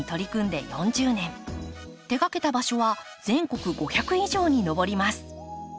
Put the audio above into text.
手がけた場所は全国５００以上に上ります。